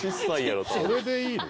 それでいいの？